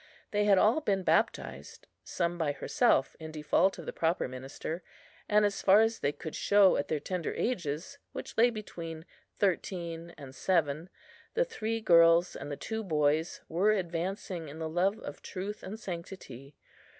They had all been baptized, some by herself in default of the proper minister, and, as far as they could show at their tender ages, which lay between thirteen and seven, the three girls and the two boys were advancing in the love of truth and sanctity.